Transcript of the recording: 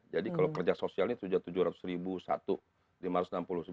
jadi kalau kerja sosial ini sudah tujuh ratus ribu satu